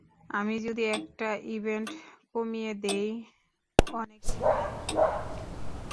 আমি যদি একটা ইভেন্ট কমিয়ে দিই, অনেক কিছু সহজ হয়ে যাবে।